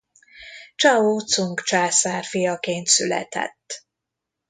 Csao Cung császár fiaként született.